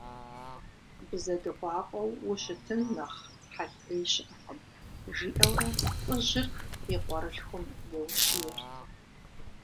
Бзэ дыкъуакъуэу ущытын нэхъ хьэл Ӏей щыӀэкъым, – жиӀэурэ лӀыжьыр и къуэрылъхум еущиерт.